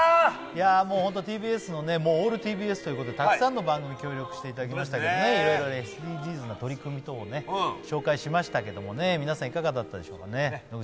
いや、オールＴＢＳということでたくさんの番組、協力していただきましたけれども、いろいろＳＤＧｓの取り組み等を紹介しましたけども、皆さん、いかがだったでしょうか。